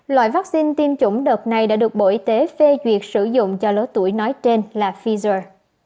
loại vaccine tiêm chủng đợt này đã được bộ y tế phê duyệt sử dụng cho lứa tuổi nói trên là pfizer